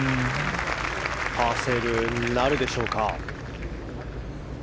パーセーブなるでしょうか。